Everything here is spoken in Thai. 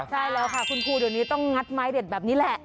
ใช่แล้วค่ะคุณครูเดี๋ยวนี้ต้องงัดไม้เด็ดแบบนี้แหละ